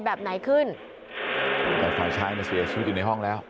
แบบไหนขึ้นแต่ฝ่ายชายเนี่ยเสียชีวิตอยู่ในห้องแล้ว